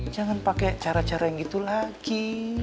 jangan pakai cara cara yang gitu lagi